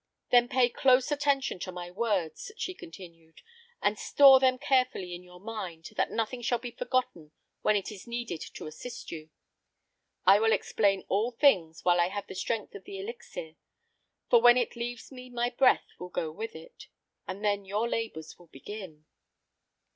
"Then pay close attention to my words," she continued, "and store them carefully in your mind, that nothing shall be forgotten when it is needed to assist you. I will explain all things while I have the strength of the elixir, for when it leaves me my breath will go with it, and then your labors will begin."